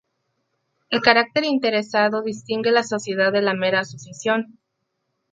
El carácter interesado distingue la sociedad de la mera asociación.